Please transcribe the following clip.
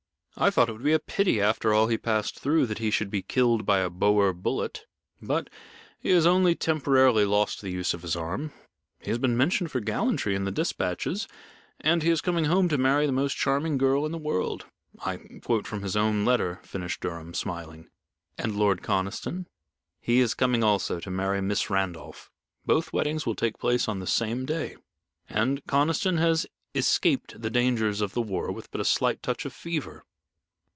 "I thought it would be a pity, after all he passed through, that he should be killed by a Boer bullet. But he has only temporarily lost the use of his arm; he has been mentioned for gallantry in the despatches; and he is coming home to marry the most charming girl in the world I quote from his own letter," finished Durham, smiling. "And Lord Conniston?" "He is coming also to marry Miss Randolph. Both weddings will take place on the same day, and Conniston has escaped the dangers of the war with a slight touch of fever.